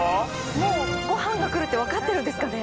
もうごはんがくるって分かってるんですかね？